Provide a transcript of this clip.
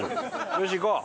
よしいこう。